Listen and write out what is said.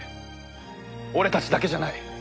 俺たちだけじゃない。